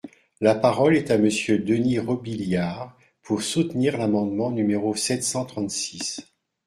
La parole est à Monsieur Denys Robiliard, pour soutenir l’amendement numéro sept cent trente-six.